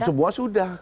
oh semua sudah